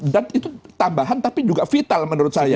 dan itu tambahan tapi juga vital menurut saya